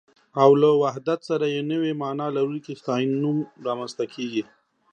او له وحدت سره يې نوې مانا لرونکی ستاينوم رامنځته کېږي